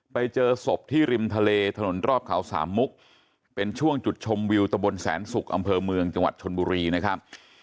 ไปเจอศพที่ริมทะเลถนนรอบเขาสามมุกเป็นช่วงจุดชมวิวตะบนแสนศุกร์อำเภอเมืองจังหวัดชนบุรีนะครับ